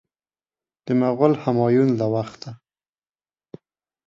د مغول همایون له وخته.